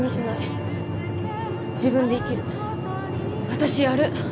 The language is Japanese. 私やる。